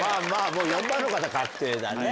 もう４番の方確定だね。